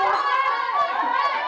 panas sih rumah